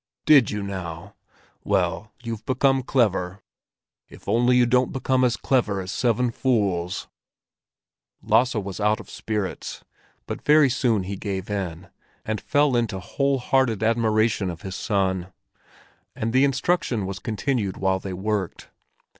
"Did you, now? Well, you've become clever—if only you don't become as clever as seven fools." Lasse was out of spirits; but very soon he gave in, and fell into whole hearted admiration of his son. And the instruction was continued while they worked.